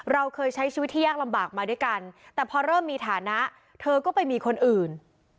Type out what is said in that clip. เราเคยใช้ชีวิตที่ยากลำบากมาด้วยกันแต่พอเริ่มมีฐานะเธอก็ไปมีคนอื่น